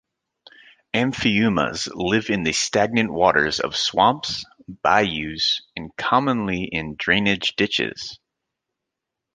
Amphiumas live in the stagnant waters of swamps, bayous, and commonly in drainage ditches.